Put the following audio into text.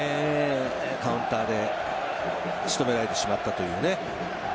カウンターで仕留められてしまったというね。